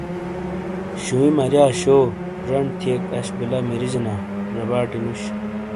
شووی مریا شو جن تھیک اش بیلہ مریجینا زباٹی نوش۔